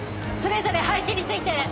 それぞれ配置に就いて！